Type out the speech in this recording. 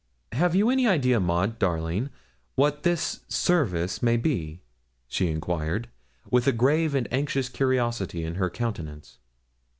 'Have you any idea, Maud, darling, what this service may be?' she enquired, with a grave and anxious curiosity in her countenance.